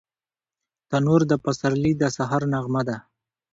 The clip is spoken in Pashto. تنور د پسرلي د سهار نغمه ده